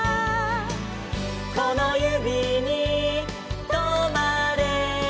「このゆびにとまれ」